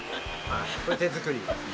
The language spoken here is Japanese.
これ手作りですね。